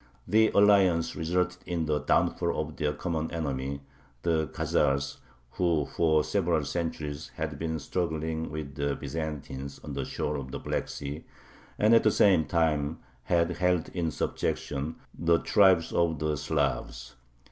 The alliance resulted in the downfall of their common enemy, the Khazars, who, for several centuries, had been struggling with the Byzantines on the shores of the Black Sea, and at the same time had held in subjection the tribes of the Slavs.